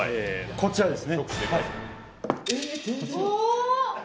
こちらです。